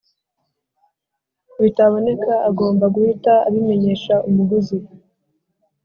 Bitaboneka agomba guhita abimenyesha umuguzi